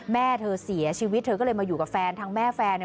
แม่เธอเสียชีวิตเธอก็เลยมาอยู่กับแฟนทั้งแม่แฟนเนี่ย